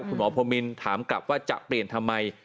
คุณหมอพรมินถามกลับว่าจะเปลี่ยนทำไม